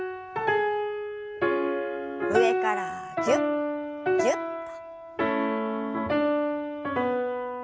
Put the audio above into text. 上からぎゅっぎゅっと。